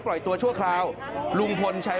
ก็ตอบได้คำเดียวนะครับ